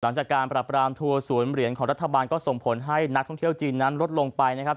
หลังจากการปรับรามทัวร์ศูนย์เหรียญของรัฐบาลก็ส่งผลให้นักท่องเที่ยวจีนนั้นลดลงไปนะครับ